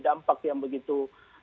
dampak yang begitu